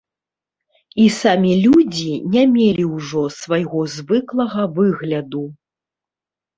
І самі людзі не мелі ўжо свайго звыклага выгляду.